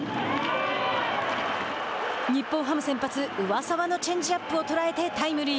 日本ハム先発上沢のチェンジアップを捉えてタイムリー。